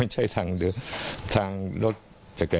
ใช่ค่ะ